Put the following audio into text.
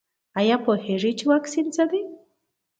ایا پوهیږئ چې واکسین څه دی؟